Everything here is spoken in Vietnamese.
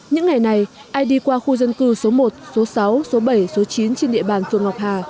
những ngày này ai đi qua khu dân cư số một số sáu số bảy số chín trên địa bàn phường ngọc hà